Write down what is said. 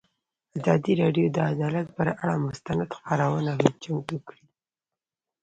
ازادي راډیو د عدالت پر اړه مستند خپرونه چمتو کړې.